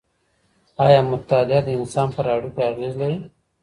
ایا مطالعه د انسان پر اړیکو اغېز لري؟